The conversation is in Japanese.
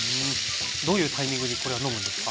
どういうタイミングにこれは飲むんですか？